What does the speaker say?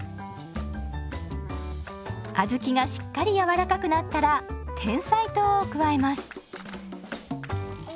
小豆がしっかり柔らかくなったらてんさい糖を加えます。